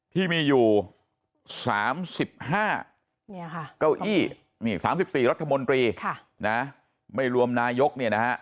ที่มีอยู่๓๕เก้าอี้๓๔รัฐมนตรีไม่รวมนายก